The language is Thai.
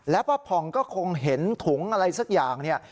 ป้าผ่องก็คงเห็นถุงอะไรสักอย่างเนี่ย